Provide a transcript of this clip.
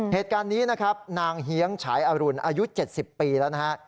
เหตุการณ์นี้นะครับนางเฮียงฉายอรุณอายุ๗๐ปีแล้วนะฮะ